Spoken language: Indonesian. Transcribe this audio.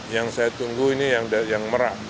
yang saya tunggu ini yang merah